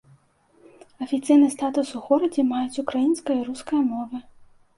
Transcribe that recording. Афіцыйны статус у горадзе маюць украінская і руская мовы.